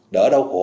đỡ đau khổ